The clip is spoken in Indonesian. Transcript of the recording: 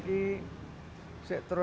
saya menggunakan kata